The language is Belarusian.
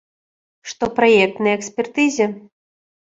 Што праект на экспертызе.